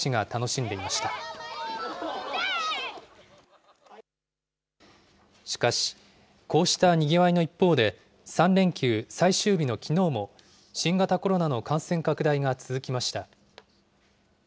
しかし、こうしたにぎわいの一方で、３連休最終日のきのうも、新型コロナの感染拡大が続きました。